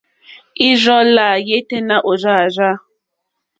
Ì rzô lá yêténá ò rzá àrzá.